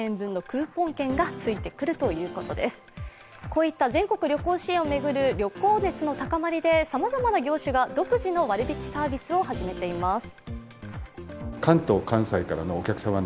こういった全国旅行支援を巡る旅行熱の高まりでさまざまな業種が独自の割引サービスを始めています。